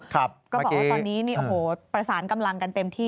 ก็บอกว่าตอนนี้เนี่ยโอ้โหประสานกำลังกันเต็มที่